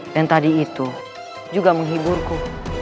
dan tadi itu juga menghiburku